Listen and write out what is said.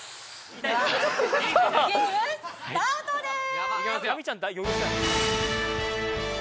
ゲームスタートです！